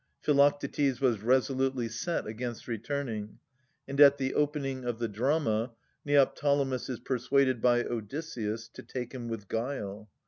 Philoctetes was resolutely set against returning, and at the opening of the drama Neoptolemus is persuaded by Odysseus to take him with guile.